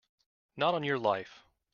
Not on your life!